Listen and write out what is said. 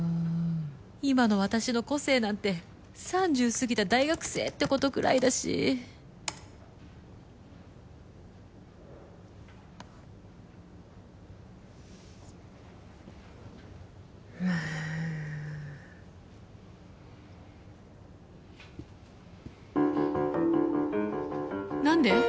今の私の個性なんて３０過ぎた大学生ってことくらいだしむん何で？